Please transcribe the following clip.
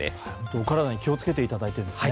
お体に気を付けていただいてですね。